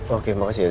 oke makasih elsa